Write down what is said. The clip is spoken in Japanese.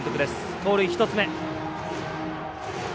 盗塁１つ目。